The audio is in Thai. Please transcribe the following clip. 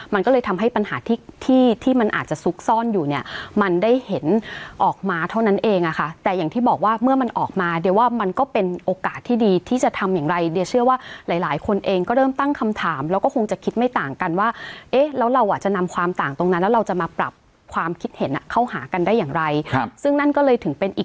มันก็เลยทำให้ปัญหาที่ที่มันอาจจะซุกซ่อนอยู่เนี่ยมันได้เห็นออกมาเท่านั้นเองอะค่ะแต่อย่างที่บอกว่าเมื่อมันออกมาเดี๋ยวว่ามันก็เป็นโอกาสที่ดีที่จะทำอย่างไรเดียเชื่อว่าหลายหลายคนเองก็เริ่มตั้งคำถามแล้วก็คงจะคิดไม่ต่างกันว่าเอ๊ะแล้วเราอ่ะจะนำความต่างตรงนั้นแล้วเราจะมาปรับความคิดเห็นเข้าหากันได้อย่างไรครับซึ่งนั่นก็เลยถึงเป็นอีก